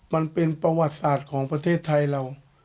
มันเป็นประวัติศาสตร์ของประเทศไทยเรา